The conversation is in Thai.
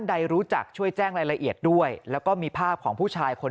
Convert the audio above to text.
ใดรู้จักช่วยแจ้งรายละเอียดด้วยแล้วก็มีภาพของผู้ชายคน